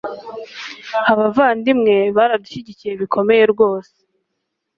ABAVANDIMWE BARADUSHYIGIKIYE bikomeye rwose